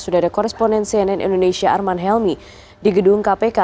sudah ada koresponen cnn indonesia arman helmi di gedung kpk